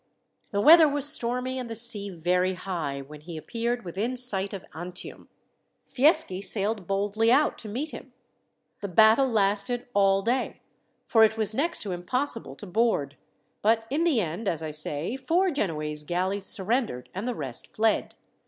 "The weather was stormy, and the sea very high, when he appeared within sight of Antium. Fieschi sailed boldly out to meet him. The battle lasted all day, for it was next to impossible to board; but in the end, as I say, four Genoese galleys surrendered and the rest fled.